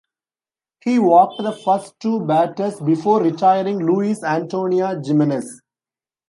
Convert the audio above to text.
He walked the first two batters before retiring Luis Antonio Jimenez.